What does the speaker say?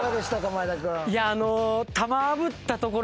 前田君。